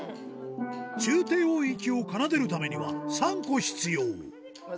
中低音域を奏でるためには、３個必要。